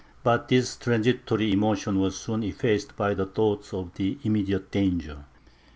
But this transitory emotion was soon effaced by the thought of the immediate danger.